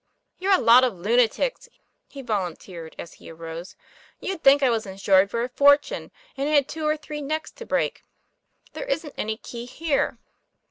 "You're a lot of lunatics!" he volunteered as he arose, "you'd think I was insured for a fortune, and had two or three necks to break. There isn't any key here."